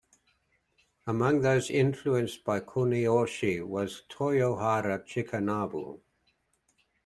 Among those influenced by Kuniyoshi was Toyohara Chikanobu.